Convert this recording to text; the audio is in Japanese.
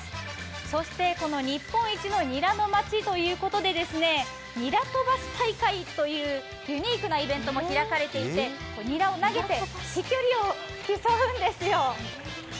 そしてこの日本一のニラの町ということでニラ飛ばし大会というユニークなイベントも開かれていてニラを投げて飛距離を競うんですよ。